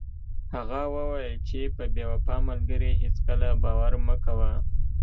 هغه وویل چې په بې وفا ملګري هیڅکله باور مه کوه.